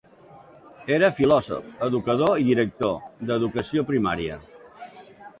Era filòsof, educador i director d'educació primària.